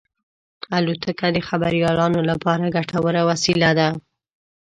الوتکه د خبریالانو لپاره ګټوره وسیله ده.